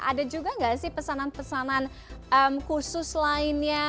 ada juga nggak sih pesanan pesanan khusus lainnya